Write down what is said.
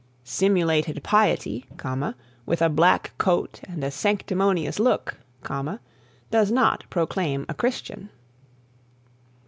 "Simulated piety, with a black coat and a sanctimonious look, does not proclaim a Christian."